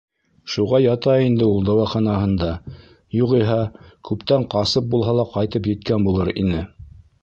Шуға ята инде ул дауаханаһында, юғиһә, күптән ҡасып булһа ла ҡайтып еткән булыр ине.